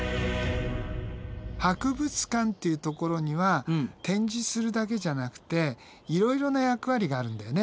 博物館っていうところには展示するだけじゃなくていろいろな役割があるんだよね。